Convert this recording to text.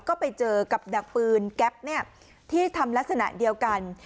ก็ไปเจอกับดักปืนแก๊ปที่ทำลักษณะเดียวกัน